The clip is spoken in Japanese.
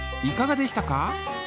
いかがでしたか？